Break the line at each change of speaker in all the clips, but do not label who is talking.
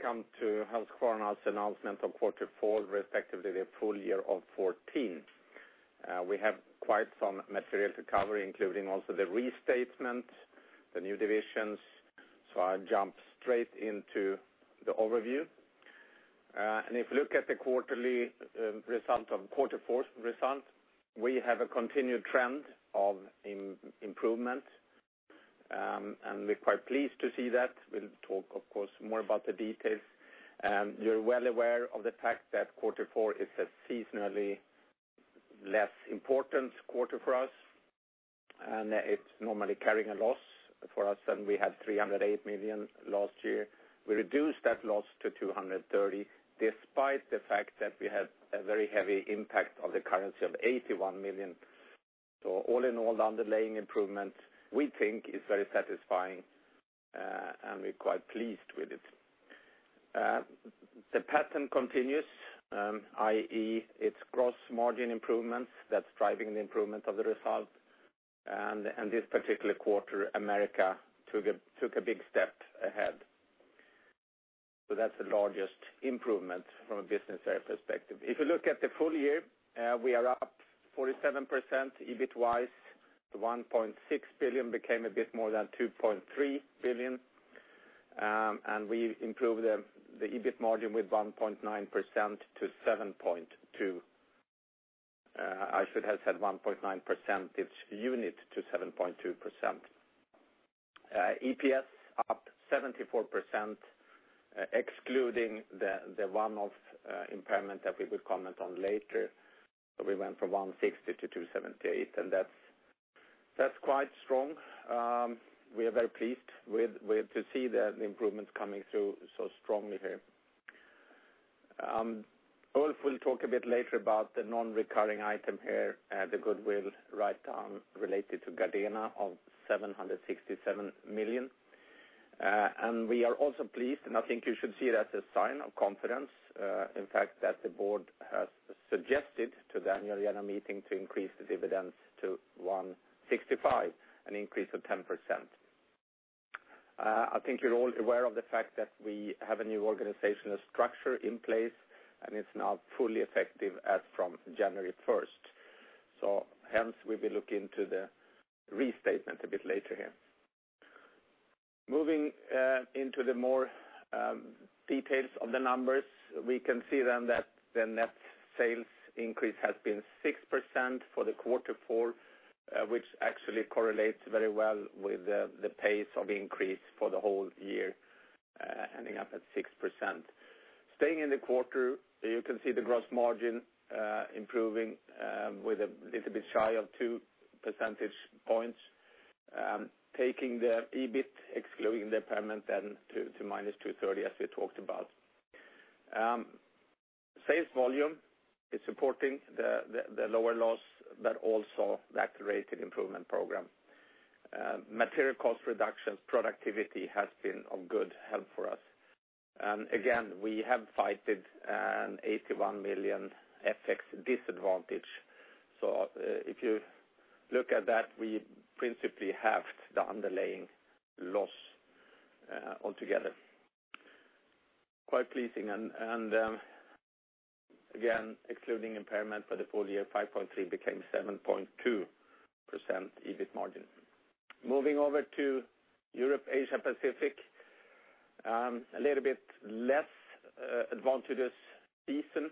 Welcome to Husqvarna's announcement of quarter four, respectively, the full year of 2014. We have quite some material to cover, including also the restatement, the new divisions. I'll jump straight into the overview. If you look at the quarter four result, we have a continued trend of improvement, and we're quite pleased to see that. We'll talk, of course, more about the details. You're well aware of the fact that quarter four is a seasonally less important quarter for us, and it's normally carrying a loss for us, and we had 308 million last year. We reduced that loss to 230 million, despite the fact that we had a very heavy impact of the currency of 81 million. All in all, the underlying improvement, we think, is very satisfying, and we're quite pleased with it. The pattern continues, i.e., it's gross margin improvements that's driving the improvement of the result. This particular quarter, America took a big step ahead. That's the largest improvement from a business area perspective. If you look at the full year, we are up 47% EBIT-wise. The 1.6 billion became a bit more than 2.3 billion. We improved the EBIT margin with 1.9% to 7.2%. I should have said 1.9 percentage unit to 7.2%. EPS up 74%, excluding the one-off impairment that we will comment on later. We went from 160 to 278, and that's quite strong. We are very pleased to see the improvements coming through so strongly here. Ulf will talk a bit later about the non-recurring item here, the goodwill write-down related to Gardena of 767 million. We are also pleased, and I think you should see that as a sign of confidence, in fact, that the board has suggested to the annual general meeting to increase the dividends to 165, an increase of 10%. I think you're all aware of the fact that we have a new organizational structure in place, and it's now fully effective as from January 1st. Hence, we will look into the restatement a bit later here. Moving into the more details of the numbers, we can see that the net sales increase has been 6% for the quarter four, which actually correlates very well with the pace of increase for the whole year, ending up at 6%. Staying in the quarter, you can see the gross margin improving with a little bit shy of two percentage points. Taking the EBIT, excluding the impairment, to minus 230 million, as we talked about. Sales volume is supporting the lower loss, but also that accelerated improvement program. Material cost reduction, productivity has been of good help for us. Again, we have fought an 81 million FX disadvantage. If you look at that, we principally halved the underlying loss altogether. Quite pleasing, and again, excluding impairment for the full year, 5.3% became 7.2% EBIT margin. Moving over to Europe, Asia Pacific, a little bit less advantageous season.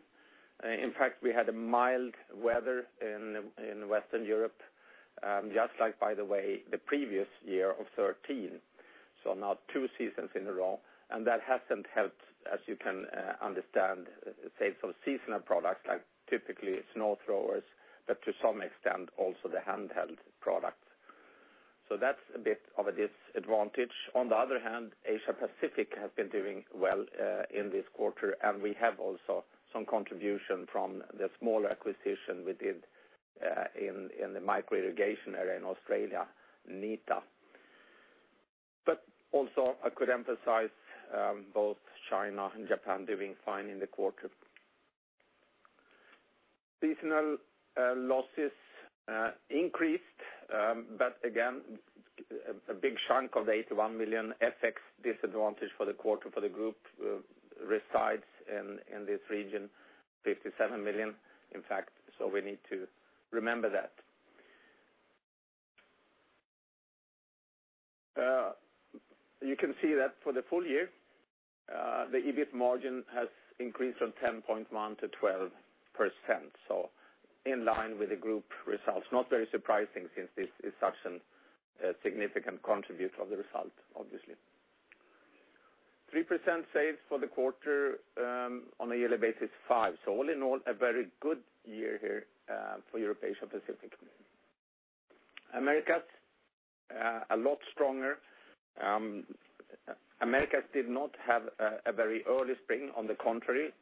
In fact, we had a mild weather in Western Europe, just like, by the way, the previous year of 2013. Now two seasons in a row, and that hasn't helped, as you can understand, sales of seasonal products like typically snow throwers, but to some extent, also the handheld products. That's a bit of a disadvantage. Asia Pacific has been doing well in this quarter, and we have also some contribution from the small acquisition we did in the Microirrigation area in Australia, Neta. Also, I could emphasize both China and Japan doing fine in the quarter. Seasonal losses increased, but again, a big chunk of the 81 million FX disadvantage for the quarter for the group resides in this region, 57 million, in fact. We need to remember that. You can see that for the full year, the EBIT margin has increased from 10.1%-12%, so in line with the group results. Not very surprising since this is such a significant contributor of the result, obviously. 3% saved for the quarter, on a yearly basis, 5%. All in all, a very good year here for Europe, Asia Pacific. Americas, a lot stronger. Americas did not have a very early spring, on the contrary,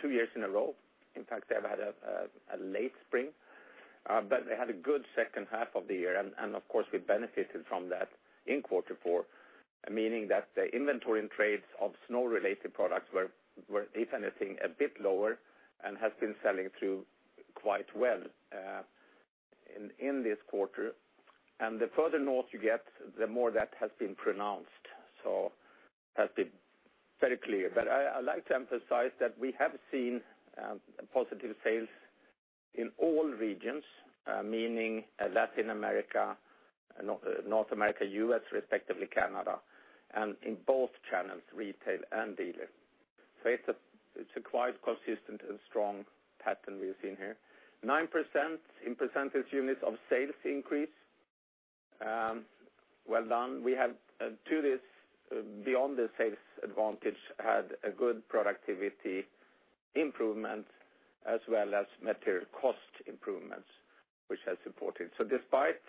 two years in a row. In fact, they've had a late spring. They had a good second half of the year, and of course, we benefited from that in quarter four, meaning that the inventory and trades of snow-related products were, if anything, a bit lower, and have been selling through quite well. In this quarter, and the further north you get, the more that has been pronounced. It has been very clear. I'd like to emphasize that we have seen positive sales in all regions, meaning Latin America, North America, U.S. respectively Canada, and in both channels, retail and dealer. It's a quite consistent and strong pattern we've seen here. 9% in percentage units of sales increase. Well done. We have, to this, beyond the sales advantage, had a good productivity improvement as well as material cost improvements, which has supported. Despite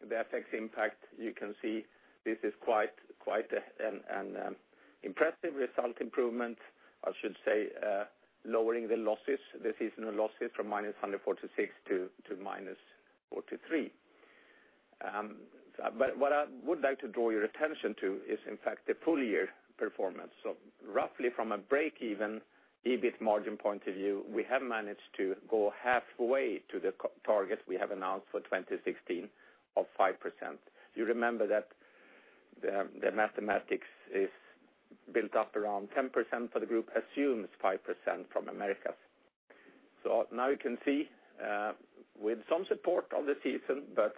the FX impact, you can see this is quite an impressive result improvement. I should say, lowering the losses, the seasonal losses, from -146 to -43. What I would like to draw your attention to is, in fact, the full-year performance. Roughly from a break-even EBIT margin point of view, we have managed to go halfway to the target we have announced for 2016 of 5%. You remember that the mathematics is built up around 10% for the group assumes 5% from Americas. Now you can see, with some support of the season, but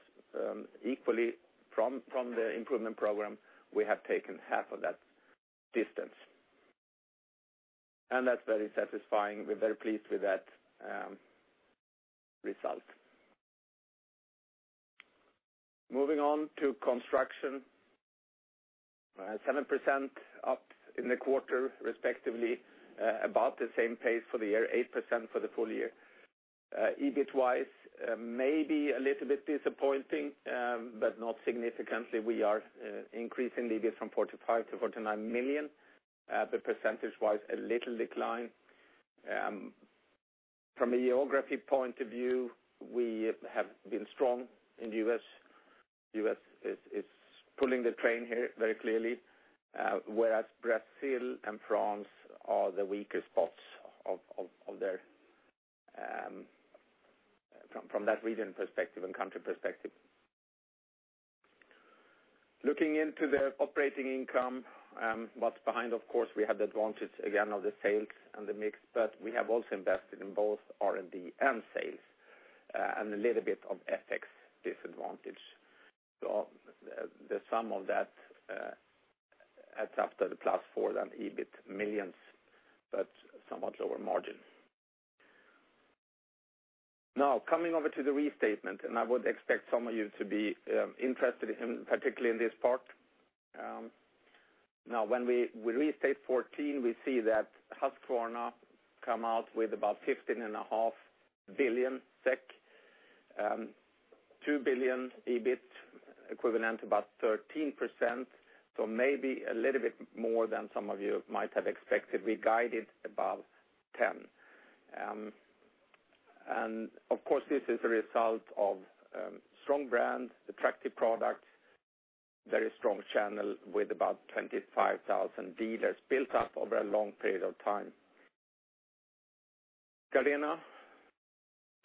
equally from the improvement program, we have taken half of that distance, and that's very satisfying. We're very pleased with that result. Moving on to construction. 7% up in the quarter, respectively, about the same pace for the year, 8% for the full year. EBIT-wise, maybe a little bit disappointing, but not significantly. We are increasing the EBIT from 45 million to 49 million, but percentage-wise, a little decline. From a geography point of view, we have been strong in the U.S. U.S. is pulling the train here very clearly whereas Brazil and France are the weaker spots from that region perspective and country perspective. Looking into the operating income, what's behind, of course, we had the advantage again of the sales and the mix, but we have also invested in both R&D and sales, and a little bit of FX disadvantage. The sum of that adds up to the plus 4 million than EBIT millions, but somewhat lower margin. Now, coming over to the restatement. I would expect some of you to be interested, particularly in this part. When we restate 2014, we see that Husqvarna come out with about 15.5 billion SEK, 2 billion EBIT equivalent to about 13%, so maybe a little bit more than some of you might have expected. We guided above 10%. Of course, this is a result of strong brands, attractive products, very strong channel with about 25,000 dealers built up over a long period of time. Gardena,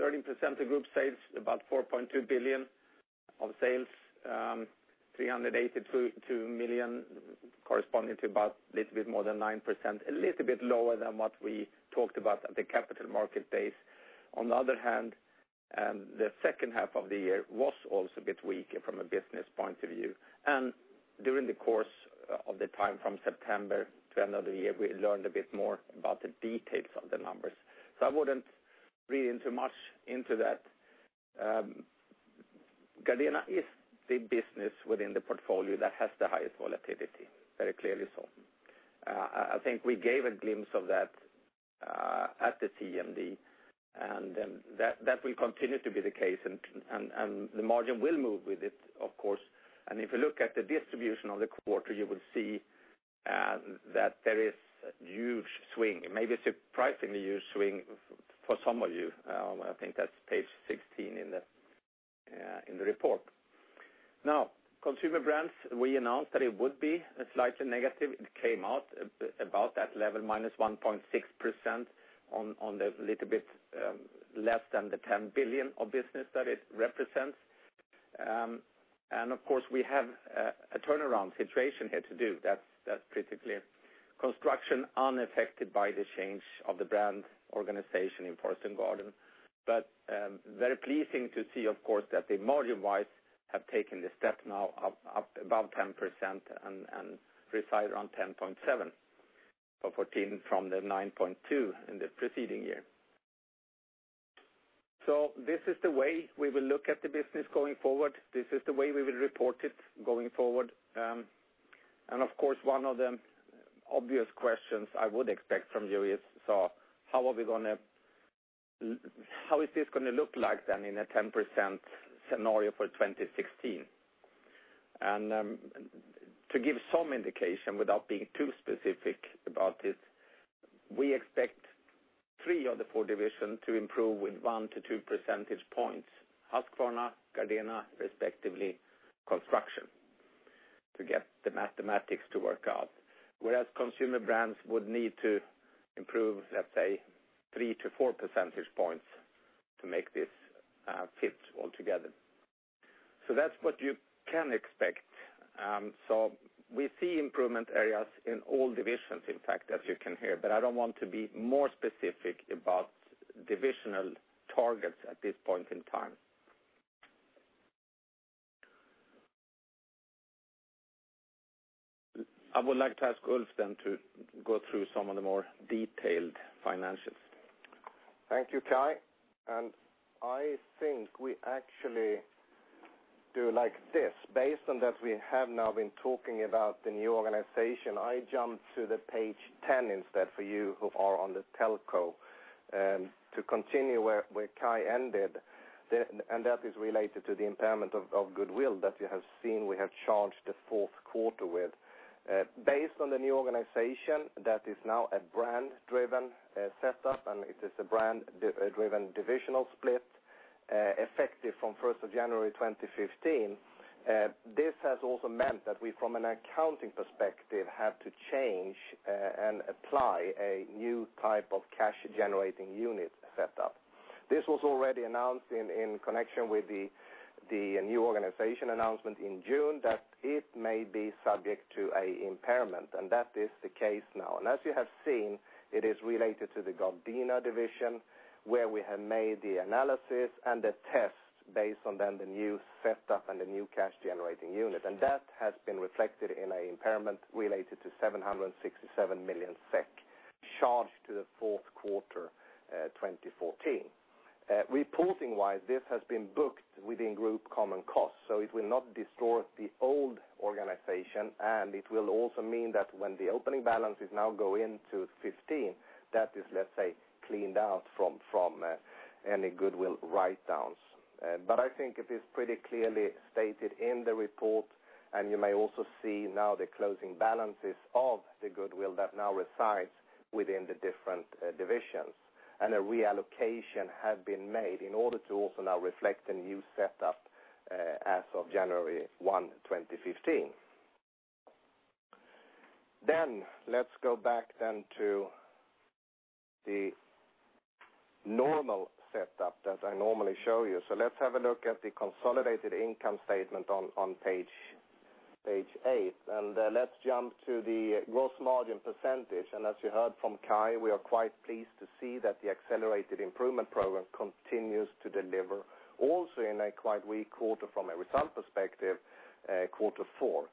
30% of group sales, about 4.2 billion of sales, 382 million corresponding to about a little bit more than 9%, a little bit lower than what we talked about at the Capital Markets Day. On the other hand, the second half of the year was also a bit weaker from a business point of view. During the course of the time from September to end of the year, we learned a bit more about the details of the numbers. I wouldn't read too much into that. Gardena is the business within the portfolio that has the highest volatility, very clearly so. I think we gave a glimpse of that at the CMD. That will continue to be the case, and the margin will move with it, of course. If you look at the distribution of the quarter, you will see that there is a huge swing, maybe a surprisingly huge swing for some of you. I think that's page 16 in the report. Consumer Brands, we announced that it would be slightly negative. It came out about that level, -1.6% on the little bit less than the 10 billion of business that it represents. Of course, we have a turnaround situation here to do. That's pretty clear. Construction unaffected by the change of the brand organization in Forest and Garden. Very pleasing to see, of course, that the margins have taken the step now up above 10% and reside around 10.7% for 2014 from the 9.2% in the preceding year. This is the way we will look at the business going forward. This is the way we will report it going forward. Of course, one of the obvious questions I would expect from you is, how is this going to look like then in a 10% scenario for 2016? To give some indication, without being too specific about it, we expect three of the four divisions to improve with 1 to 2 percentage points, Husqvarna, Gardena, respectively Construction. To get the mathematics to work out. Whereas Consumer Brands would need to improve, let's say, 3 to 4 percentage points to make this fit altogether. That's what you can expect. We see improvement areas in all divisions, in fact, as you can hear, but I don't want to be more specific about divisional targets at this point in time. I would like to ask Ulf then to go through some of the more detailed financials.
Thank you, Kai. I think we actually do it like this. Based on that we have now been talking about the new organization, I jump to page 10 instead for you who are on the telco, to continue where Kai ended, and that is related to the impairment of goodwill that you have seen we have charged the fourth quarter with. Based on the new organization that is now a brand-driven setup, it is a brand-driven divisional split, effective from 1st of January 2015. This has also meant that we, from an accounting perspective, had to change and apply a new type of cash-generating unit setup. This was already announced in connection with the new organization announcement in June that it may be subject to an impairment, and that is the case now. As you have seen, it is related to the Gardena division, where we have made the analysis and the tests based on the new setup and the new cash-generating unit. That has been reflected in an impairment related to 767 million SEK charged to the fourth quarter 2014. Reporting-wise, this has been booked within group common costs, so it will not distort the old organization, it will also mean that when the opening balances now go into 2015, that is, let's say, cleaned out from any goodwill write-downs. I think it is pretty clearly stated in the report, and you may also see now the closing balances of the goodwill that now reside within the different divisions. A reallocation has been made in order to also now reflect the new setup as of January 1, 2015. Let's go back to the normal setup that I normally show you. Let's have a look at the consolidated income statement on page eight, and let's jump to the gross margin percentage. As you heard from Kai, we are quite pleased to see that the accelerated improvement program continues to deliver also in a quite weak quarter from a result perspective, quarter four.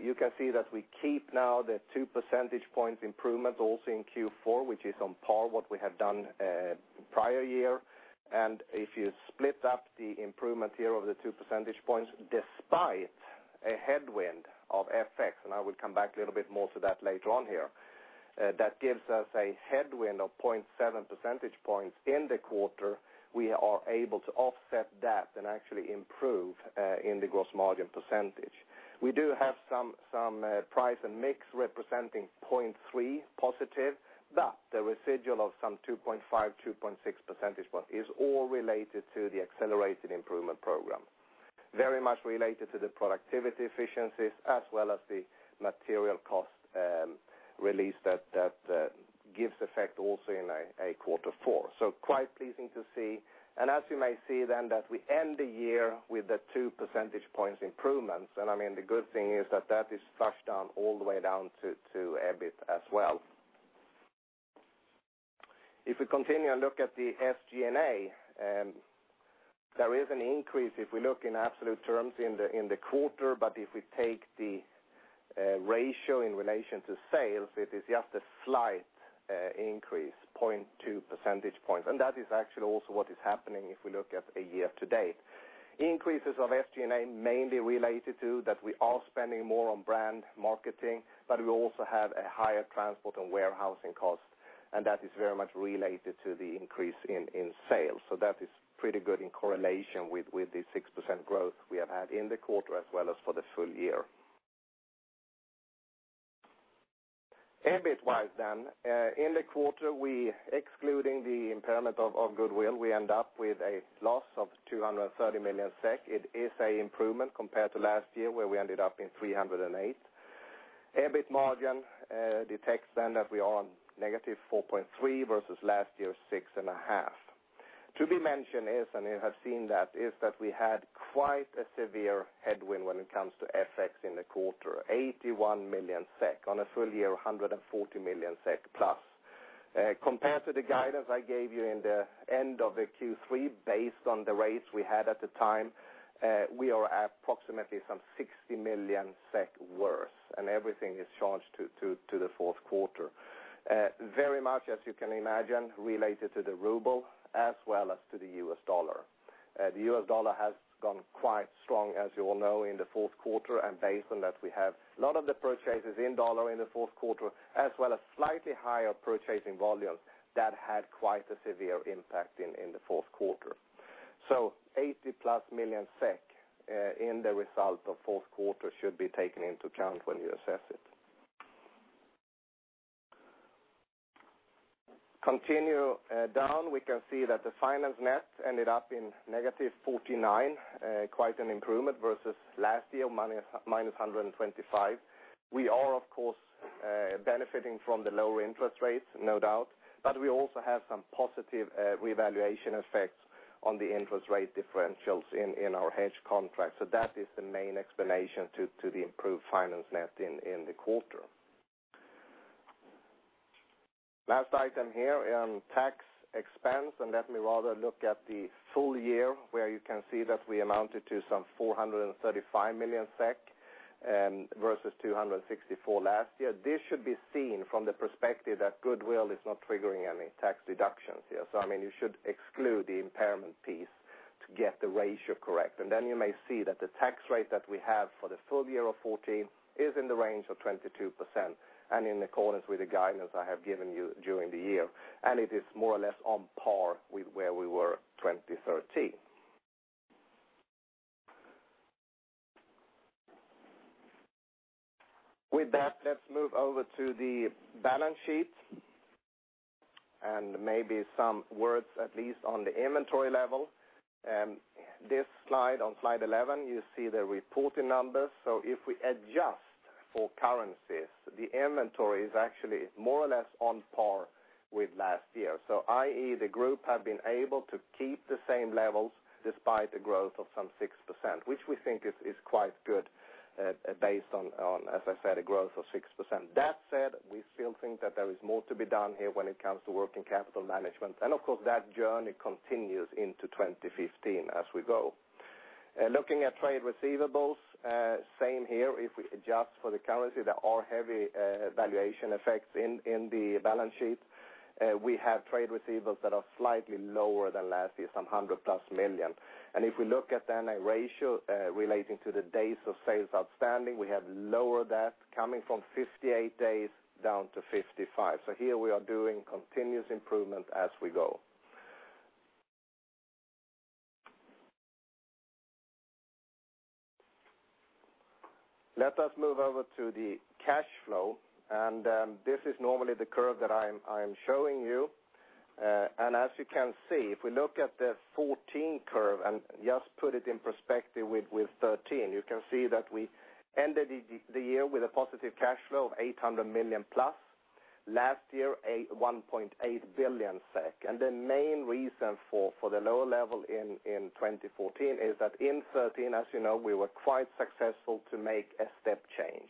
You can see that we keep now the two percentage points improvement also in Q4, which is on par what we have done prior year. If you split up the improvement here of the two percentage points, despite a headwind of FX, I will come back a little bit more to that later on here. That gives us a headwind of 0.7 percentage points in the quarter. We are able to offset that and actually improve in the gross margin percentage. We do have some price and mix representing 0.3 positive, but the residual of some 2.5-2.6 percentage points is all related to the accelerated improvement program. Very much related to the productivity efficiencies as well as the material cost release that gives effect also in quarter four. Quite pleasing to see. As you may see then that we end the year with the two percentage points improvements. The good thing is that is flushed down all the way down to EBIT as well. If we continue and look at the SG&A, there is an increase if we look in absolute terms in the quarter, but if we take the ratio in relation to sales, it is just a slight increase, 0.2 percentage points. That is actually also what is happening if we look at a year to date. Increases of SG&A mainly related to that we are spending more on brand marketing, but we also have a higher transport and warehousing cost. That is very much related to the increase in sales. That is pretty good in correlation with the 6% growth we have had in the quarter as well as for the full year. EBIT-wise, in the quarter, excluding the impairment of goodwill, we end up with a loss of 230 million SEK. It is an improvement compared to last year, where we ended up in 308 million. EBIT margin detects that we are on -4.3% versus last year's 6.5%. To be mentioned is, you have seen that, we had quite a severe headwind when it comes to FX in the quarter, 81 million SEK, on a full year, 140 million SEK plus. Compared to the guidance I gave you at the end of Q3 based on the rates we had at the time, we are approximately 60 million SEK worse. Everything is charged to the fourth quarter. Very much, as you can imagine, related to the ruble as well as to the US dollar. The US dollar has gone quite strong, as you all know, in the fourth quarter, and based on that, we have a lot of the purchases in USD in the fourth quarter, as well as slightly higher purchasing volumes that had quite a severe impact in the fourth quarter. 80 million SEK plus in the result of the fourth quarter should be taken into account when you assess it. Continuing down, we can see that the finance net ended up in -49 million, quite an improvement versus last year, -125 million. We are, of course, benefiting from the lower interest rates, no doubt, but we also have some positive revaluation effects on the interest rate differentials in our hedge contract. That is the main explanation to the improved finance net in the quarter. Last item here, tax expense. Let me rather look at the full year, where you can see that we amounted to some 435 million SEK, versus 264 million last year. This should be seen from the perspective that goodwill is not triggering any tax deductions here. You should exclude the impairment piece to get the ratio correct. You may see that the tax rate that we have for the full year of 2014 is in the range of 22%, in accordance with the guidance I have given you during the year. It is more or less on par with where we were in 2013. With that, let's move over to the balance sheet, maybe some words at least on the inventory level. This slide, on slide 11, you see the reporting numbers. If we adjust for currencies, the inventory is actually more or less on par with last year. I.e., the group has been able to keep the same levels despite the growth of some 6%, which we think is quite good based on, as I said, a growth of 6%. That said, we still think that there is more to be done here when it comes to working capital management. Of course, that journey continues into 2015 as we go. Looking at trade receivables, same here. If we adjust for the currency, there are heavy valuation effects in the balance sheet. We have trade receivables that are slightly lower than last year, some 100+ million. If we look at then a ratio relating to the Days Sales Outstanding, we have lowered that coming from 58 days down to 55. Here we are doing continuous improvement as we go. Let us move over to the cash flow. This is normally the curve that I am showing you. As you can see, if we look at the 2014 curve and just put it in perspective with 2013, you can see that we ended the year with a positive cash flow of 800+ million. Last year, 1.8 billion SEK. The main reason for the lower level in 2014 is that in 2013, as you know, we were quite successful to make a step change,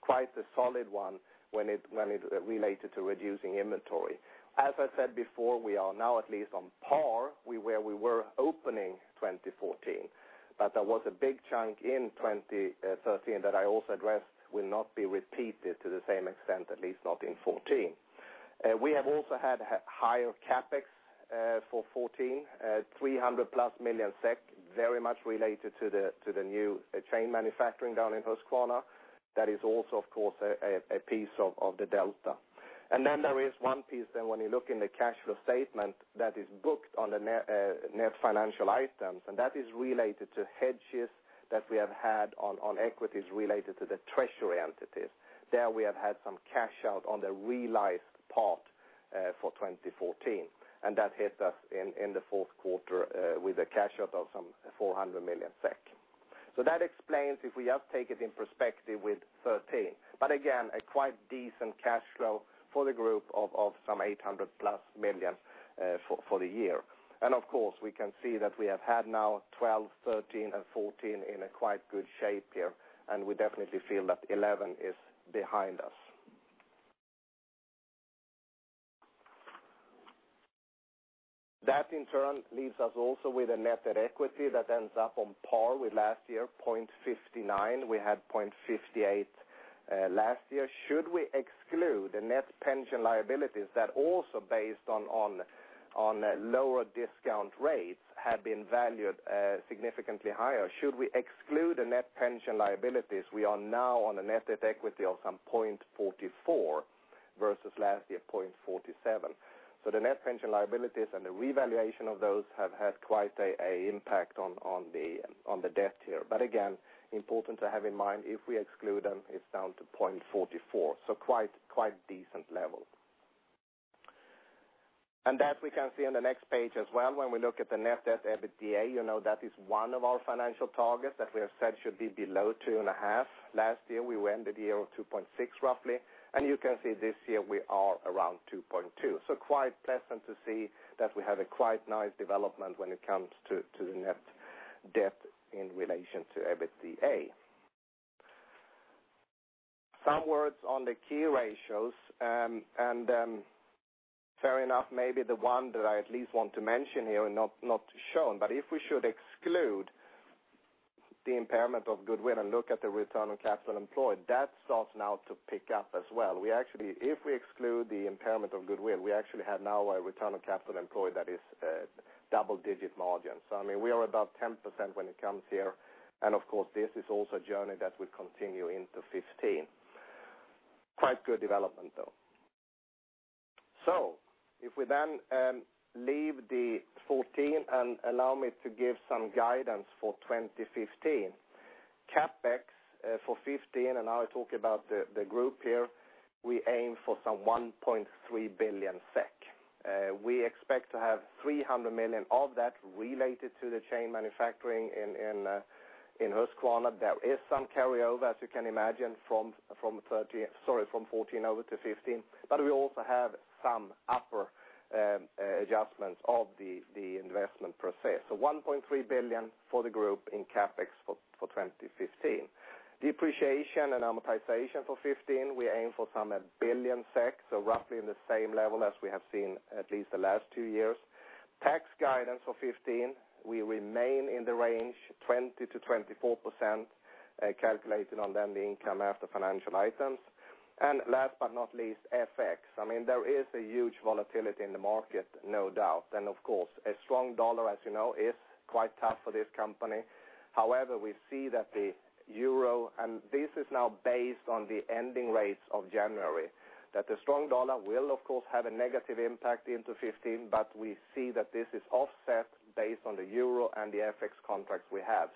quite a solid one when it related to reducing inventory. As I said before, we are now at least on par with where we were opening 2014. There was a big chunk in 2013 that I also addressed will not be repeated to the same extent, at least not in 2014. We have also had higher CapEx for 2014, 300+ million SEK, very much related to the new chain manufacturing down in Husqvarna. That is also, of course, a piece of the delta. Then there is one piece then when you look in the cash flow statement that is booked on the net financial items, and that is related to hedges that we have had on equities related to the treasury entities. There we have had some cash out on the realized part for 2014, and that hit us in the fourth quarter with a cash out of some 400 million SEK. That explains if we just take it in perspective with 2013. Again, a quite decent cash flow for the group of some 800+ million for the year. Of course, we can see that we have had now 2012, 2013, and 2014 in a quite good shape here, and we definitely feel that 2011 is behind us. That in turn leaves us also with a Net Debt to Equity that ends up on par with last year, 0.59. We had 0.58 last year. Should we exclude the net pension liabilities that also based on lower discount rates have been valued significantly higher? Should we exclude the net pension liabilities, we are now on a Net Debt to Equity of some 0.44 versus last year 0.47. The net pension liabilities and the revaluation of those have had quite an impact on the debt here. Again, important to have in mind, if we exclude them, it's down to 0.44, quite decent level. That we can see on the next page as well when we look at the Net Debt to EBITDA. You know that is one of our financial targets that we have said should be below 2.5. Last year, we ended the year at 2.6 roughly, and you can see this year we are around 2.2. Quite pleasant to see that we have a quite nice development when it comes to the net debt in relation to EBITDA. Some words on the key ratios. Fair enough, maybe the one that I at least want to mention here, not shown, but if we should exclude the impairment of goodwill and look at the return on capital employed, that starts now to pick up as well. If we exclude the impairment of goodwill, we actually have now a return on capital employed that is double-digit margins. We are about 10% when it comes here, and of course, this is also a journey that will continue into 2015. Quite good development, though. If we then leave the 2014 and allow me to give some guidance for 2015. CapEx for 2015, and now I talk about the group here, we aim for some 1.3 billion SEK. We expect to have 300 million of that related to the chain manufacturing in Husqvarna. There is some carryover, as you can imagine, from 2014 over to 2015. We also have some upper adjustments of the investment process. 1.3 billion for the group in CapEx for 2015. Depreciation and amortization for 2015, we aim for some 1 billion SEK, so roughly in the same level as we have seen at least the last two years. Tax guidance for 2015, we remain in the range 20%-24%, calculated on the income after financial items. Last but not least, FX. There is a huge volatility in the market, no doubt. Of course, a strong US dollar, as you know, is quite tough for this company. However, we see that the euro, and this is now based on the ending rates of January, that the strong US dollar will, of course, have a negative impact into 2015, but we see that this is offset based on the euro and the FX contracts we have.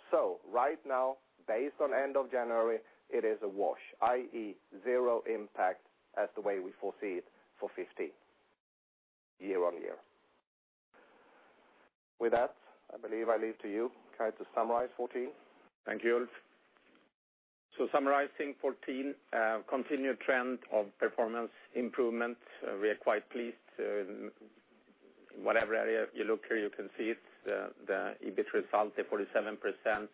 Right now, based on end of January, it is a wash, i.e., zero impact as the way we foresee it for 2015 year-on-year. With that, I believe I leave to you, Kai, to summarize 2014.
Thank you, Ulf. Summarizing 2014, continued trend of performance improvement. We are quite pleased. Whatever area you look here, you can see it, the EBIT result, the 47%,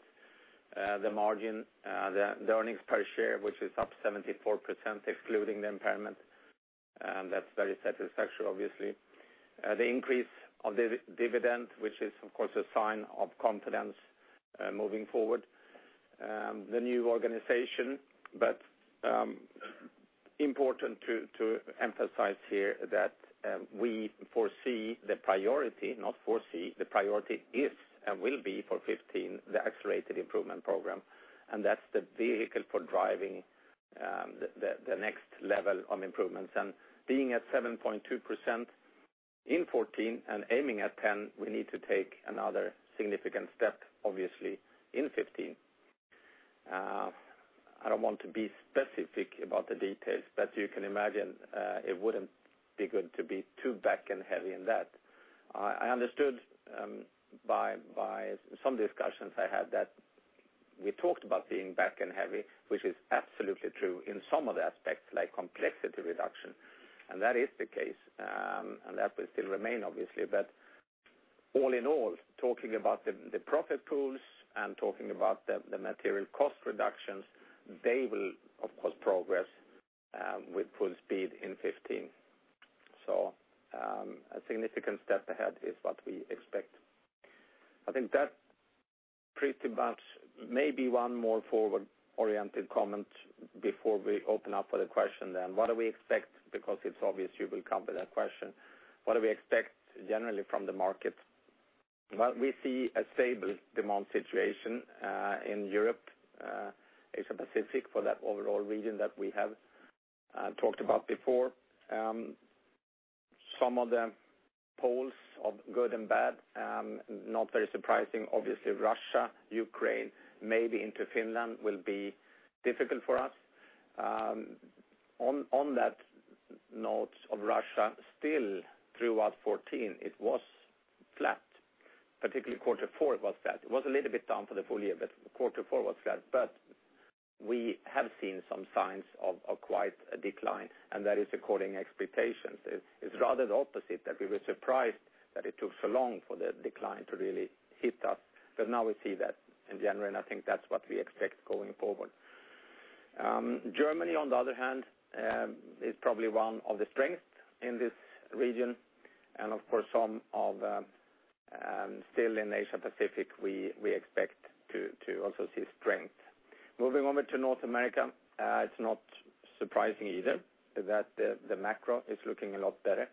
the margin, the earnings per share, which is up 74%, excluding the impairment. That is very satisfactory, obviously. The increase of dividend, which is, of course, a sign of confidence moving forward. The new organization, important to emphasize here that we foresee the priority, not foresee, the priority is and will be for 2015, the accelerated improvement program, and that is the vehicle for driving the next level of improvements. Being at 7.2% in 2014 and aiming at 10%, we need to take another significant step, obviously, in 2015. I do not want to be specific about the details, but you can imagine it would not be good to be too back and heavy in that. I understood by some discussions I had that we talked about being back and heavy, which is absolutely true in some of the aspects, like Complexity Reduction. That is the case, and that will still remain, obviously. All in all, talking about the Profit Pools and talking about the material cost reductions, they will, of course, progress with full speed in 2015. A significant step ahead is what we expect. I think that's pretty much. Maybe one more forward-oriented comment before we open up for the question then. What do we expect? Because it's obvious you will come to that question. What do we expect generally from the market? We see a stable demand situation in Europe, Asia-Pacific, for that overall region that we have talked about before. Some of the poles of good and bad, not very surprising. Obviously Russia, Ukraine, maybe into Finland will be difficult for us. On that note of Russia, still throughout 2014, it was flat, particularly quarter four it was flat. It was a little bit down for the full year, but quarter four was flat. We have seen some signs of quite a decline, and that is according to expectations. It's rather the opposite, that we were surprised that it took so long for the decline to really hit us. Now we see that in January, and I think that's what we expect going forward. Germany, on the other hand, is probably one of the strengths in this region. Of course, still in Asia-Pacific, we expect to also see strength. Moving over to North America, it's not surprising either that the macro is looking a lot better.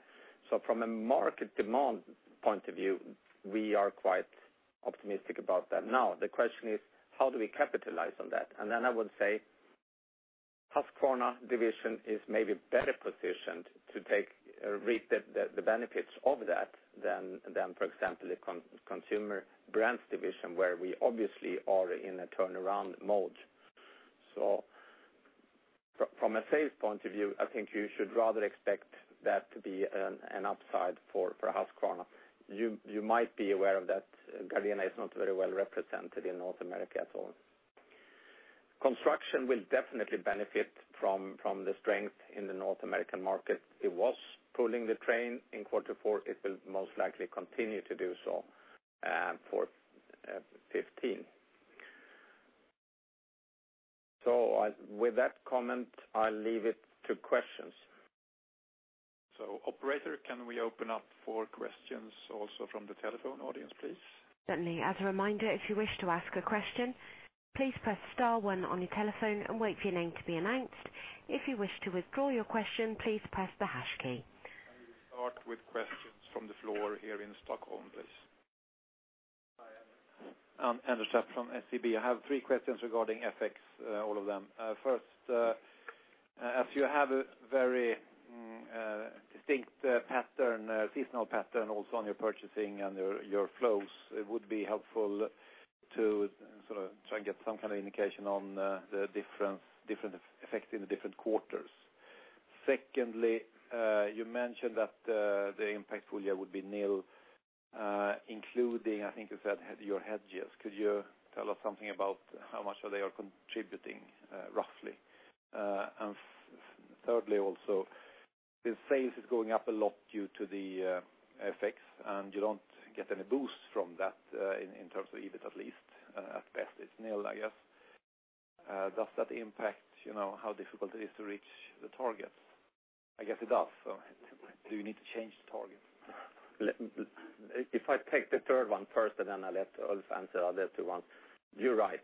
From a market demand point of view, we are quite optimistic about that. Now, the question is, how do we capitalize on that? I would say Husqvarna division is maybe better positioned to reap the benefits of that than, for example, the Consumer Brands division, where we obviously are in a turnaround mode. From a sales point of view, I think you should rather expect that to be an upside for Husqvarna. You might be aware of that. Gardena is not very well represented in North America at all. Construction will definitely benefit from the strength in the North American market. It was pulling the train in quarter four. It will most likely continue to do so for 2015. With that comment, I'll leave it to questions.
Operator, can we open up for questions also from the telephone audience, please?
Certainly. As a reminder, if you wish to ask a question, please press star one on your telephone and wait for your name to be announced. If you wish to withdraw your question, please press the hash key.
Can we start with questions from the floor here in Stockholm, please?
Hi, I'm [Anders Hägerstrand] from SEB. I have three questions regarding FX, all of them. First, you have a very distinct seasonal pattern also on your purchasing and your flows, it would be helpful to try and get some kind of indication on the different effects in the different quarters. Secondly, you mentioned that the impact full year would be nil, including, I think you said, your hedges. Could you tell us something about how much they are contributing, roughly? Thirdly, also, the sales is going up a lot due to the FX, and you don't get any boost from that in terms of EBIT, at least. At best it's nil, I guess. Does that impact how difficult it is to reach the targets? I guess it does. Do you need to change the target?
If I take the third one first, then I'll let Ulf answer the other two ones. You're right,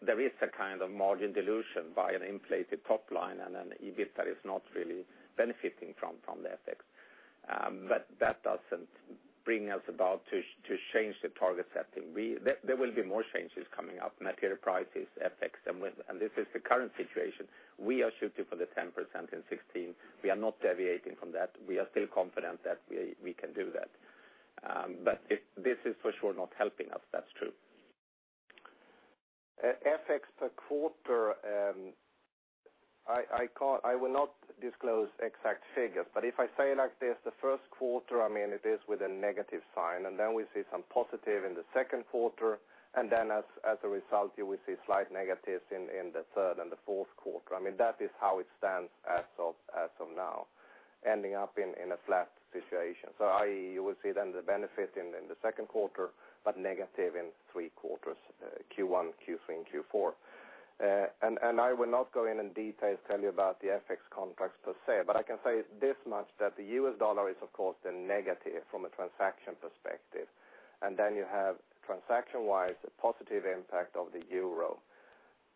there is a kind of margin dilution by an inflated top line and an EBIT that is not really benefiting from the FX. That doesn't bring us about to change the target setting. There will be more changes coming up, material prices, FX. This is the current situation. We are shooting for the 10% in 2016. We are not deviating from that. We are still confident that we can do that. This is for sure not helping us, that's true.
FX per quarter, I will not disclose exact figures, but if I say it like this, the first quarter, it is with a negative sign, then we see some positive in the second quarter, then as a result, you will see slight negatives in the third and the fourth quarter. That is how it stands as of now, ending up in a flat situation. I.e., you will see then the benefit in the second quarter, but negative in three quarters, Q1, Q3, and Q4. I will not go in detail to tell you about the FX contracts per se, but I can say this much, that the US dollar is, of course, the negative from a transaction perspective. Then you have, transaction-wise, a positive impact of the euro,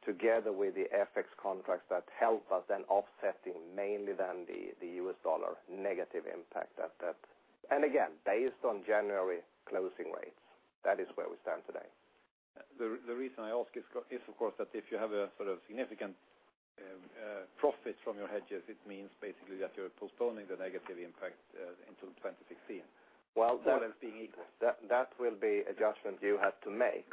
together with the FX contracts that help us in offsetting mainly the US dollar negative impact at that. Again, based on January closing rates, that is where we stand today.
The reason I ask is, of course, that if you have a significant profit from your hedges, it means basically that you're postponing the negative impact into 2016.
Well- All else being equal. That will be adjustment you have to make.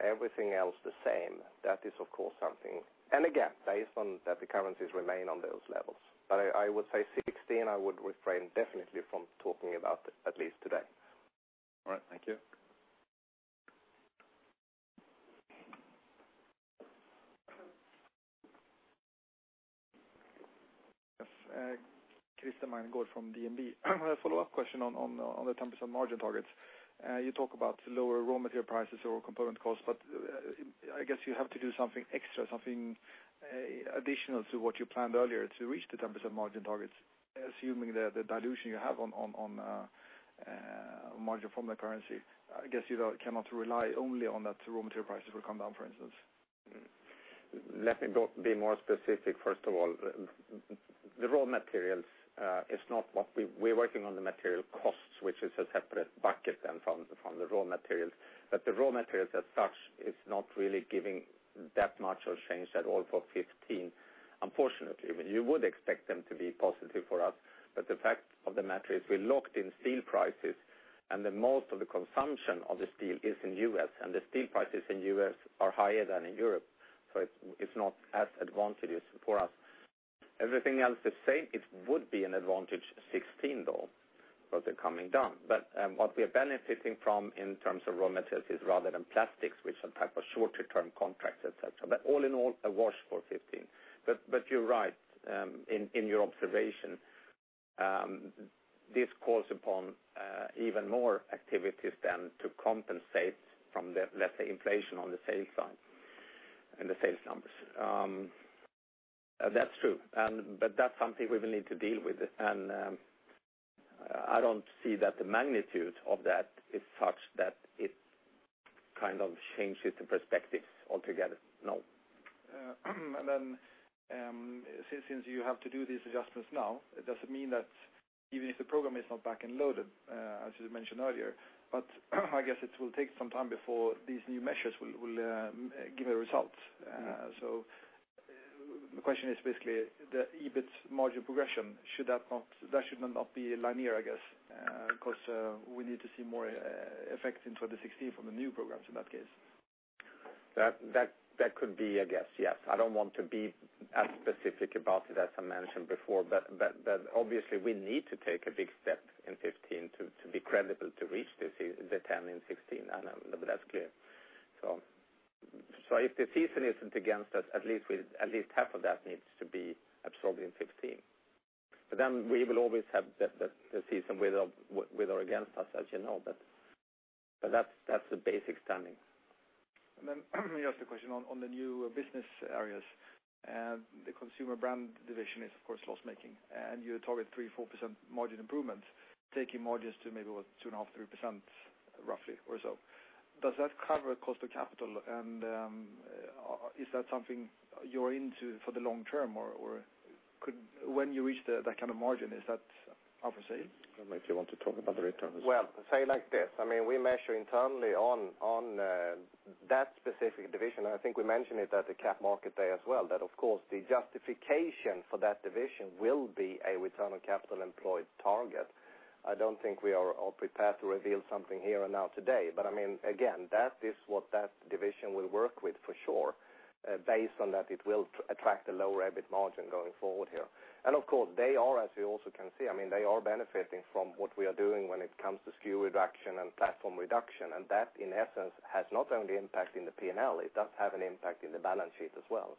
Everything else the same, that is, of course, something. Again, based on that the currencies remain on those levels. I would say 2016, I would refrain definitely from talking about, at least today. All right. Thank you.
Yes. Christer Magnergård from DNB. A follow-up question on the 10% margin targets. You talk about lower raw material prices or component costs, I guess you have to do something extra, something additional to what you planned earlier to reach the 10% margin targets, assuming the dilution you have on margin from the currency. I guess you cannot rely only on that raw material prices will come down, for instance.
Let me be more specific, first of all. The raw materials is not what we're working on the material costs, which is a separate bucket then from the raw materials. The raw materials, as such, it's not really giving that much of change at all for 2015, unfortunately. You would expect them to be positive for us, the fact of the matter is we locked in steel prices, then most of the consumption of the steel is in the U.S., and the steel prices in the U.S. are higher than in Europe, so it's not as advantageous for us. Everything else the same, it would be an advantage 2016, though, for the coming down. What we are benefiting from in terms of raw materials is rather than plastics, which are type of shorter-term contracts, et cetera. All in all, a wash for 2015. You're right in your observation. This calls upon even more activities then to compensate from the, let's say, inflation on the sales side and the sales numbers. That's true, that's something we will need to deal with. I don't see that the magnitude of that is such that it kind of changes the perspective altogether, no.
Since you have to do these adjustments now, it doesn't mean that even if the program is not back and loaded, as you mentioned earlier, but I guess it will take some time before these new measures will give a result. The question is basically, the EBIT margin progression, that should not be linear, I guess? We need to see more effects in 2016 from the new programs, in that case.
That could be, I guess, yes. I don't want to be as specific about it, as I mentioned before. Obviously, we need to take a big step in 2015 to be credible to reach the 10% in 2016. That's clear. If the season isn't against us, at least half of that needs to be absorbed in 2015. We will always have the season with or against us, as you know. That's the basic standing.
Let me ask the question on the new business areas. The Consumer Brands division is, of course, loss-making, and you target 3% or 4% margin improvement, taking margins to maybe what, 2.5%, 3%, roughly, or so. Does that cover cost of capital? Is that something you're into for the long term, or could When you reach that kind of margin, is that up for sale?
If you want to talk about the returns.
Well, say it like this. We measure internally on that specific division, I think we mentioned it at the Capital Markets Day as well, that of course the justification for that division will be a return on capital employed target. I do not think we are prepared to reveal something here and now today, but again, that is what that division will work with for sure. Based on that, it will attract a lower EBIT margin going forward here. Of course, as you also can see, they are benefiting from what we are doing when it comes to SKU reduction and platform reduction. That in essence has not only impact in the P&L, it does have an impact in the balance sheet as well.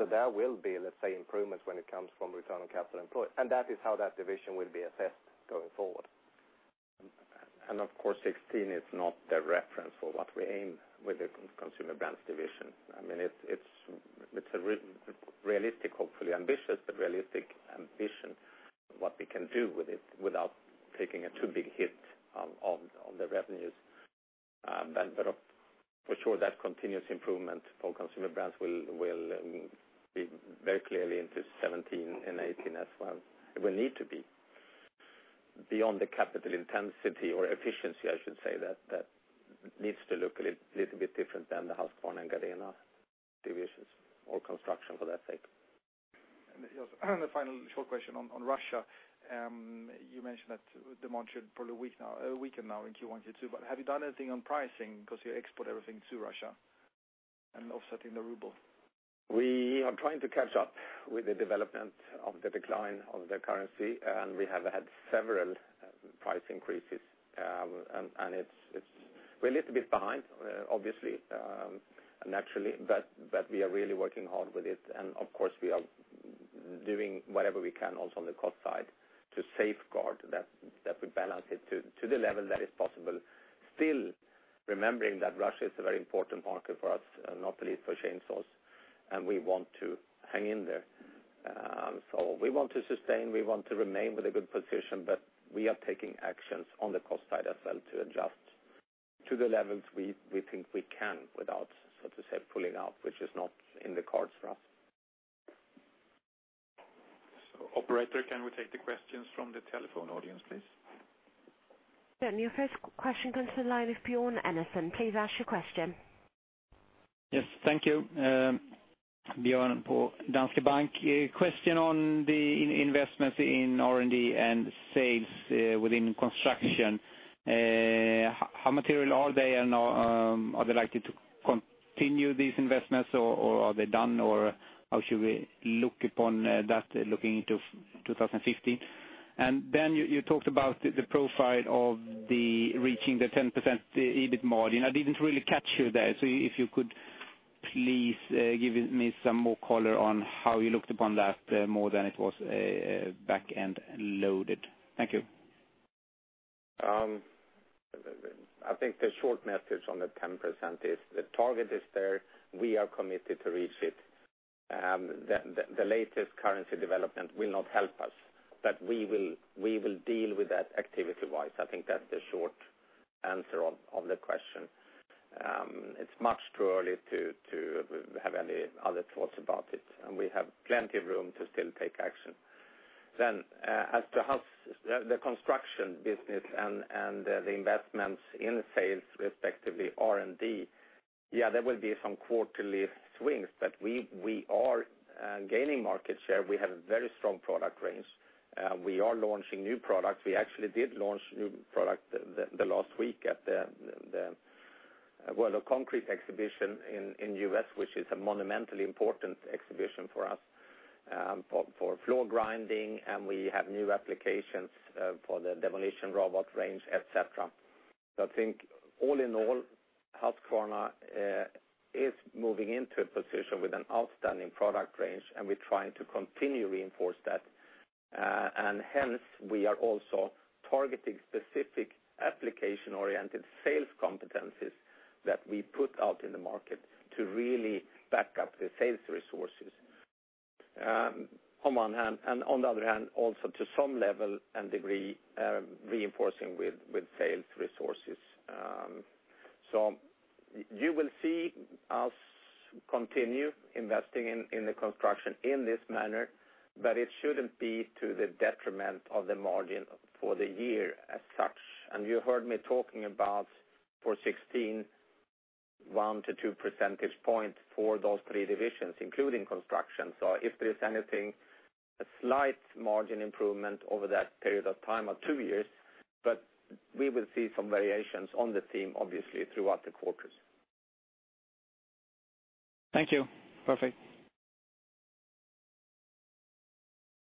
There will be, let's say, improvements when it comes from return on capital employed, that is how that division will be assessed going forward.
Of course, 2016 is not the reference for what we aim with the Consumer Brands division. It is a realistic, hopefully ambitious, but realistic ambition what we can do with it without taking a too big hit on the revenues. For sure that continuous improvement for Consumer Brands will be very clearly into 2017 and 2018 as well. It will need to be. Beyond the capital intensity or efficiency, I should say that needs to look a little bit different than the Husqvarna and Gardena divisions or construction for that sake.
The final short question on Russia. You mentioned that demand should probably weaken now in Q1, Q2, but have you done anything on pricing because you export everything to Russia and offsetting the ruble?
We are trying to catch up with the development of the decline of the currency, and we have had several price increases. We are a little bit behind, obviously, naturally, but we are really working hard with it. Of course, we are doing whatever we can also on the cost side to safeguard that we balance it to the level that is possible. Still remembering that Russia is a very important market for us, not least for chainsaws, and we want to hang in there. We want to sustain, we want to remain with a good position, but we are taking actions on the cost side as well to adjust to the levels we think we can without so to say, pulling out, which is not in the cards for us.
Operator, can we take the questions from the telephone audience, please?
Sure. Your first question comes to the line with Björn Enarson. Please ask your question.
Yes. Thank you. Björn for Danske Bank. A question on the investments in R&D and sales within construction. How material are they and are they likely to continue these investments or are they done or how should we look upon that looking into 2015? You talked about the profile of the reaching the 10% EBIT margin. I didn't really catch you there. If you could please give me some more color on how you looked upon that more than it was a back end loaded. Thank you.
I think the short message on the 10% is the target is there. We are committed to reach it. The latest currency development will not help us, but we will deal with that activity-wise. I think that's the short answer of the question. It's much too early to have any other thoughts about it. We have plenty of room to still take action. As to how the construction business and the investments in sales respectively, R&D, yeah, there will be some quarterly swings, but we are gaining market share. We have a very strong product range. We are launching new products. We actually did launch new product the last week at the World of Concrete exhibition in U.S., which is a monumentally important exhibition for us for floor grinding, and we have new applications for the demolition robot range, et cetera. I think all in all, Husqvarna is moving into a position with an outstanding product range. We're trying to continue reinforce that. Hence, we are also targeting specific application-oriented sales competencies that we put out in the market to really back up the sales resources on one hand, and on the other hand, also to some level and degree, reinforcing with sales resources. You will see us continue investing in the construction in this manner, but it shouldn't be to the detriment of the margin for the year as such. You heard me talking about for 2016, 1-2 percentage points for those three divisions, including construction. If there's anything, a slight margin improvement over that period of time or two years, but we will see some variations on the theme, obviously, throughout the quarters.
Thank you. Perfect.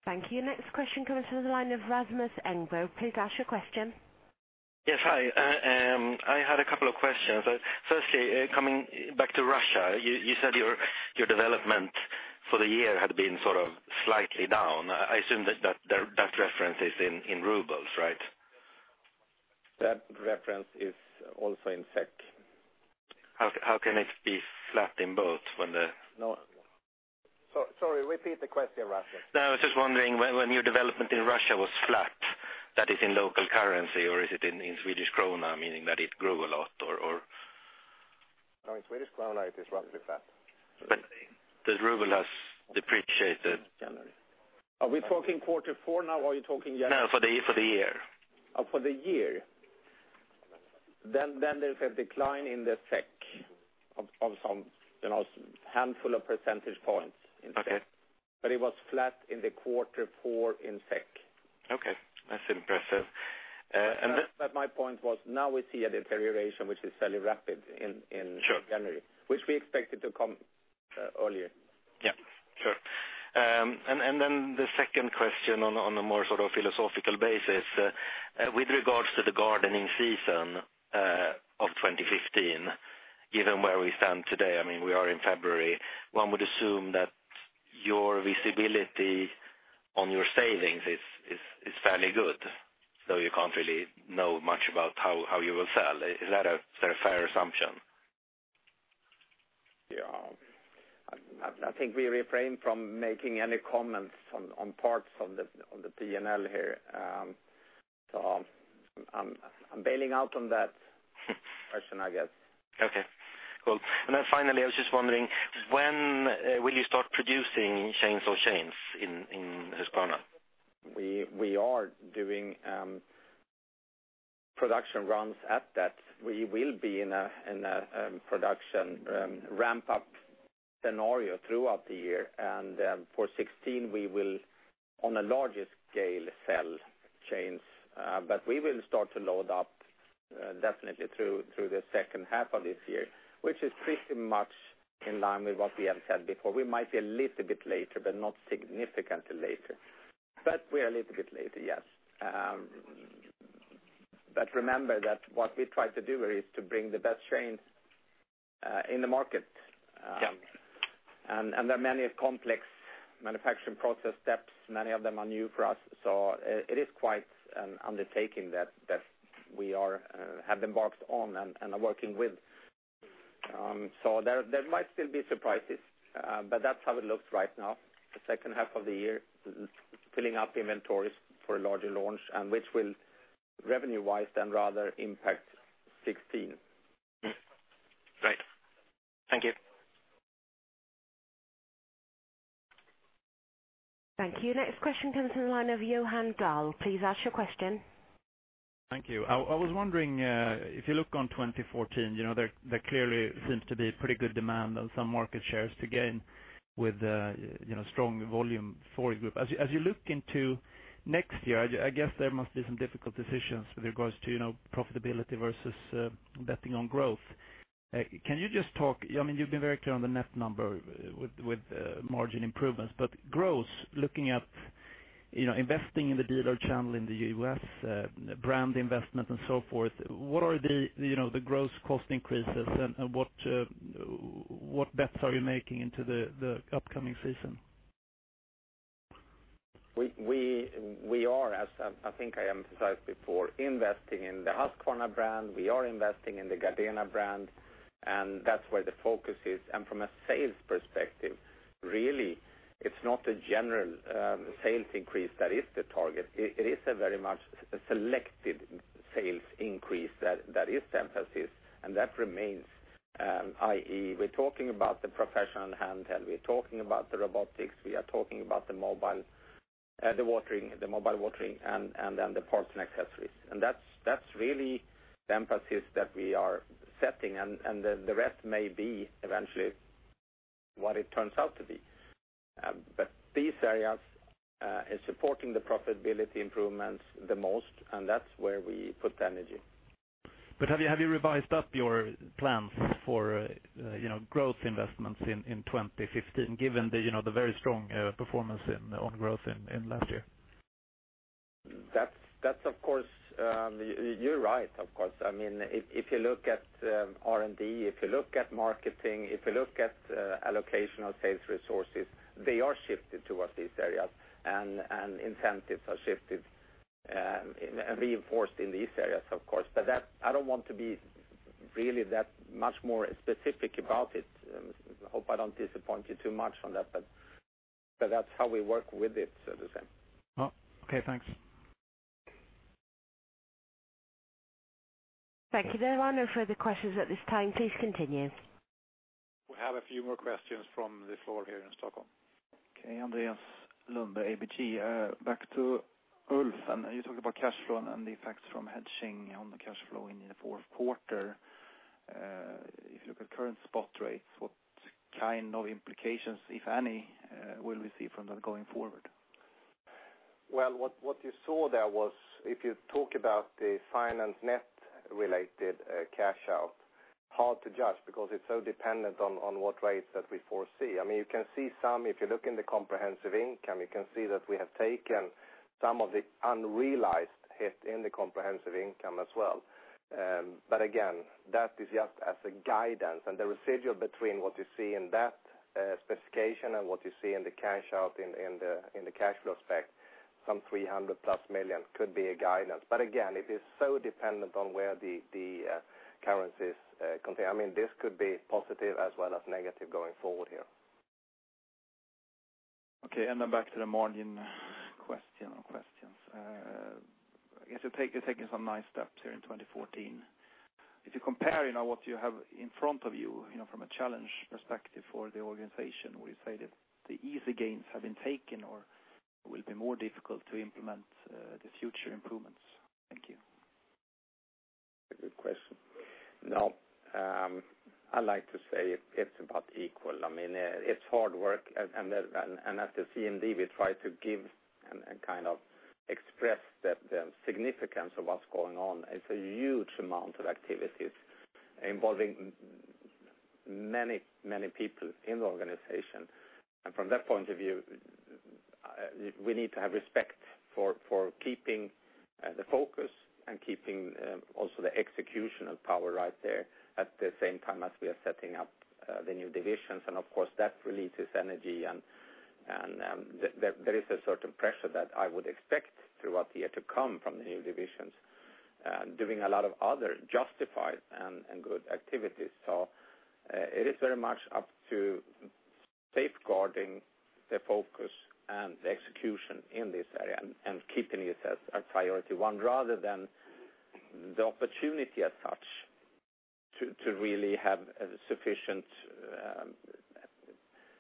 Thank you. Next question comes from the line of Rasmus Engberg. Please ask your question.
Yes. Hi, I had a couple of questions. Firstly, coming back to Russia, you said your development for the year had been sort of slightly down. I assume that that reference is in rubles, right?
That reference is also in SEK.
How can it be flat in both when the-
No. Sorry, repeat the question, Rasmus.
I was just wondering when your development in Russia was flat, that is in local currency or is it in SEK, meaning that it grew a lot or?
In SEK, it is relatively flat.
The RUB has depreciated.
Are we talking Q4 now? Or are you talking yearly?
No, for the year.
For the year. There's a decline in the SEK of some handful of percentage points in SEK.
Okay.
It was flat in the Q4 in SEK.
Okay, that's impressive.
My point was, now we see a deterioration, which is fairly rapid.
Sure
January. Which we expected to come earlier.
Yeah, sure. The second question on a more philosophical basis. With regards to the gardening season of 2015, given where we stand today, we are in February. One would assume that your visibility on your savings is fairly good, though you can't really know much about how you will sell. Is that a fair assumption?
Yeah. I think we refrain from making any comments on parts of the P&L here. I'm bailing out on that question, I guess.
Okay, cool. Finally, I was just wondering, when will you start producing chains in Husqvarna?
We are doing production runs at that. We will be in a production ramp-up scenario throughout the year. For 2016, we will, on a larger scale, sell chains. We will start to load up definitely through the second half of this year, which is pretty much in line with what we have said before. We might be a little bit later, but not significantly later. We are a little bit later, yes. Remember that what we try to do is to bring the best chains in the market.
Yeah.
There are many complex manufacturing process steps. Many of them are new for us. It is quite an undertaking that we have embarked on and are working with. There might still be surprises. That's how it looks right now, the second half of the year, filling up inventories for a larger launch, which will, revenue-wise then rather impact 2016.
Great. Thank you.
Thank you. Next question comes from the line of Johan Dahl. Please ask your question.
Thank you. I was wondering, if you look on 2014, there clearly seems to be pretty good demand and some market shares to gain with strong volume for your group. As you look into next year, I guess there must be some difficult decisions with regards to profitability versus betting on growth. You've been very clear on the net number with margin improvements. Gross, looking at investing in the dealer channel in the U.S., brand investment and so forth, what are the gross cost increases and what bets are you making into the upcoming season?
We are, as I think I emphasized before, investing in the Husqvarna brand. We are investing in the Gardena brand, and that's where the focus is. From a sales perspective, really, it's not a general sales increase that is the target. It is a very much selected sales increase that is the emphasis, and that remains, i.e., we're talking about the professional handheld, we're talking about the robotics, we are talking about the mobile watering, and then the parts and accessories. That's really the emphasis that we are setting, and the rest may be eventually what it turns out to be. These areas are supporting the profitability improvements the most, and that's where we put the energy.
Have you revised up your plans for growth investments in 2015, given the very strong performance on growth in last year?
You're right, of course. If you look at R&D, if you look at marketing, if you look at allocation of sales resources, they are shifted towards these areas, and incentives are shifted and reinforced in these areas, of course. I don't want to be really that much more specific about it. I hope I don't disappoint you too much on that, but that's how we work with it, so to say.
Okay, thanks.
Thank you. There are no further questions at this time. Please continue.
We have a few more questions from the floor here in Stockholm.
Okay, Andreas Lundberg, ABG. Back to Ulf. You talked about cash flow and the effects from hedging on the cash flow in the fourth quarter. If you look at current spot rates, what kind of implications, if any, will we see from that going forward?
Well, what you saw there was, if you talk about the finance net related cash out, hard to judge because it's so dependent on what rates that we foresee. If you look in the comprehensive income, you can see that we have taken some of the unrealized hit in the comprehensive income as well. Again, that is just as a guidance. The residual between what you see in that specification and what you see in the cash out in the cash flow spec, some 300-plus million could be a guidance. Again, it is so dependent on where the currencies. This could be positive as well as negative going forward here.
Okay, back to the margin question or questions. I guess you're taking some nice steps here in 2014. If you compare what you have in front of you, from a challenge perspective for the organization, would you say the easy gains have been taken, or will it be more difficult to implement the future improvements? Thank you.
A good question. No, I like to say it's about equal. It's hard work. As the CMD, we try to give and kind of express the significance of what's going on. It's a huge amount of activities involving many, many people in the organization. From that point of view, we need to have respect for keeping the focus and keeping also the executional power right there, at the same time as we are setting up the new divisions. Of course, that releases energy, and there is a certain pressure that I would expect throughout the year to come from the new divisions, doing a lot of other justified and good activities. It is very much up to safeguarding the focus and the execution in this area, and keeping it as a priority 1 rather than the opportunity as such to really have sufficient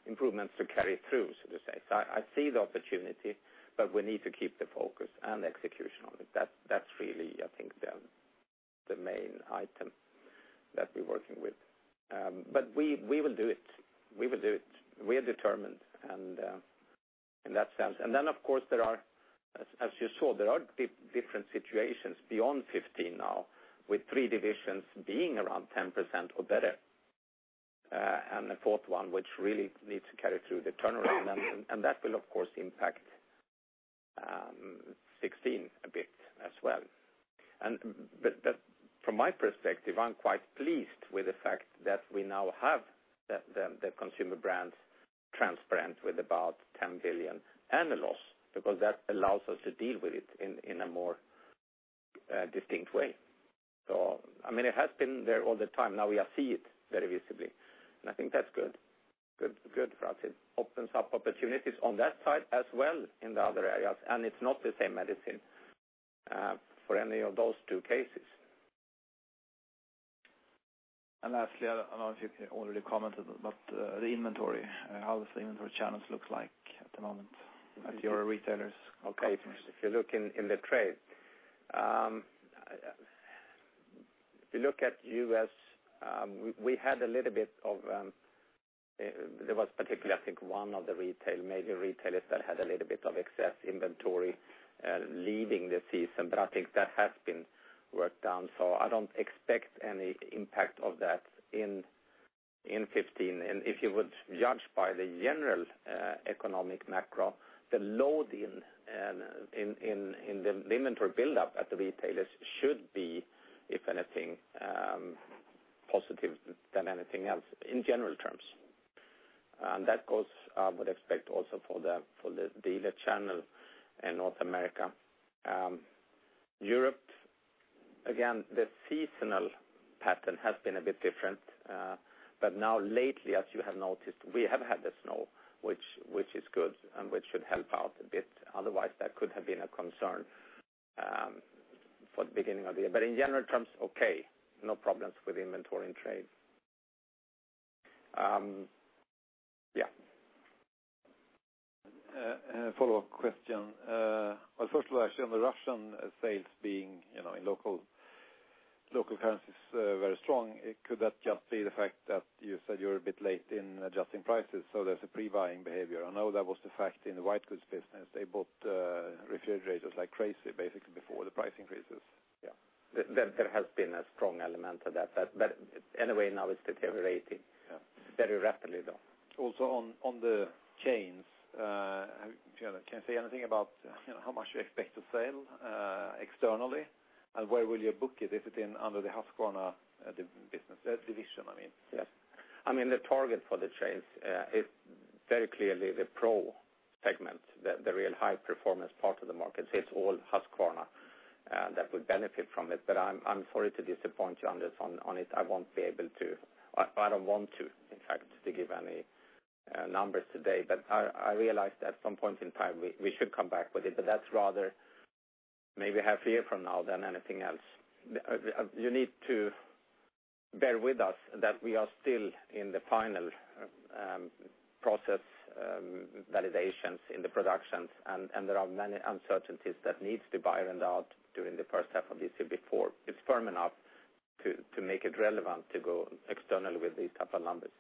improvements to carry through, so to say. I see the opportunity, but we need to keep the focus and execution on it. That's really, I think, the main item that we're working with. We will do it. We're determined in that sense. Then, of course, as you saw, there are different situations beyond 2015 now, with 3 divisions being around 10% or better, and a fourth one, which really needs to carry through the turnaround. That will, of course, impact 2016 a bit as well. From my perspective, I'm quite pleased with the fact that we now have the Consumer Brands transparent with about 10 billion annual loss, because that allows us to deal with it in a more distinct way. It has been there all the time. Now we see it very visibly, and I think that's good for us. It opens up opportunities on that side as well in the other areas, and it's not the same medicine for any of those 2 cases.
Lastly, I don't know if you already commented, but the inventory, how does the inventory channels look like at the moment at your retailers or customers?
If you look in the trade. If you look at U.S., there was particularly, I think, one of the major retailers that had a little bit of excess inventory leaving the season, but I think that has been worked down. I don't expect any impact of that in 2015. If you would judge by the general economic macro, the load in the inventory buildup at the retailers should be, if anything, positive than anything else, in general terms. That goes, I would expect also for the dealer channel in North America. Europe, again, the seasonal pattern has been a bit different. Now lately, as you have noticed, we have had the snow, which is good, and which should help out a bit. Otherwise, that could have been a concern for the beginning of the year. In general terms, okay, no problems with inventory and trade. Yeah.
A follow-up question. Well, first of all, actually, on the Russian sales being in local currencies very strong, could that just be the fact that you said you're a bit late in adjusting prices, there's a pre-buying behavior? I know that was the fact in the white goods business. They bought refrigerators like crazy, basically before the price increases.
Yeah. There has been a strong element of that. Anyway, now it's deteriorating.
Yeah
Very rapidly, though.
Also on the chains, can you say anything about how much you expect to sell externally, where will you book it if it under the Husqvarna division?
Yes. The target for the chains is very clearly the pro segment, the real high-performance part of the market. It's all Husqvarna that would benefit from it. I'm sorry to disappoint you on this one, on it, I don't want to, in fact, give any numbers today. I realize that at some point in time, we should come back with it, but that's rather maybe half year from now than anything else. You need to bear with us that we are still in the final process validations in the productions, and there are many uncertainties that needs to be ironed out during the first half of this year before it's firm enough to make it relevant to go external with these type of numbers.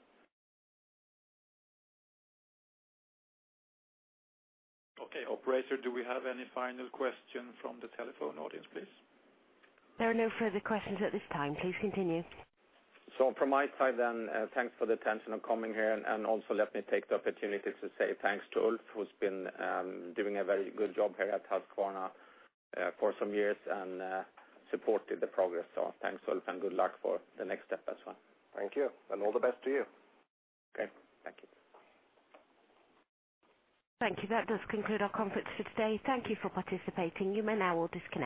Okay. Operator, do we have any final question from the telephone audience, please?
There are no further questions at this time. Please continue.
From my side then, thanks for the attention of coming here, and also let me take the opportunity to say thanks to Ulf, who's been doing a very good job here at Husqvarna for some years and supported the progress. Thanks, Ulf, and good luck for the next step as well.
Thank you, and all the best to you.
Okay. Thank you.
Thank you. That does conclude our conference for today. Thank you for participating. You may now all disconnect.